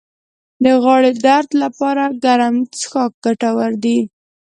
د غاړې درد لپاره ګرم څښاک ګټور دی